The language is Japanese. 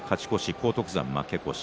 荒篤山、負け越し。